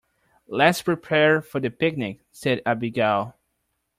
"Let's prepare for the picnic!", said Abigail.